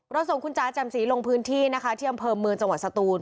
เราส่งคุณจ๊ะจำซีลงพื้นที่ที่อำเภอเมืองจังหวัดสะตูล